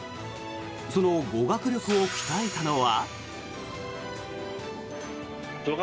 その語学力を鍛えたのは。